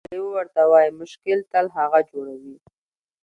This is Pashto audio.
لیوه ورته وايي: مشکل تل هغه جوړوي،